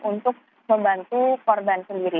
untuk membantu korban sendiri